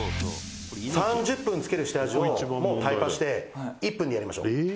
「３０分漬ける下味をもうタイパして１分でやりましょう」